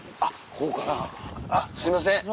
ここかなあっすいません。